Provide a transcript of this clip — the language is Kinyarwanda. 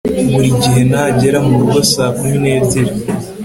Buri gihe nagera murugo saa kumi nebyiri